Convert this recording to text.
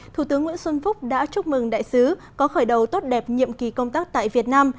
thủ tướng nguyễn xuân phúc đã chúc mừng đại sứ có khởi đầu tốt đẹp nhiệm kỳ công tác tại việt nam